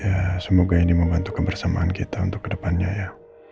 ya semoga ini membantu kebersamaan kita untuk kedepannya ya